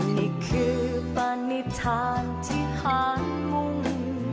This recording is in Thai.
นี่คือปานิทานที่หางง